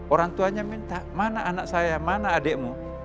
orang tuanya minta mana anak saya mana adikmu